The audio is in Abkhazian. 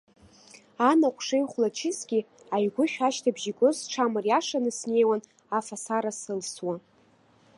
Анаҟә шеихәлачызгьы, аигәышә ашьҭыбжь игоз сҽамариашаны снеиуан афасара сылсуа.